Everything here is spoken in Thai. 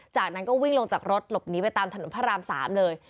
จากนั้นก็วิ่งลงจากรถหลบหนีไปตามถนนพระราม๓เลย